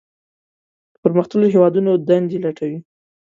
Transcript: د پرمختللو هیوادونو دندې لټوي.